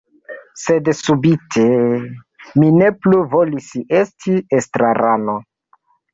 Sed subite… mi ne plu volis esti estrarano.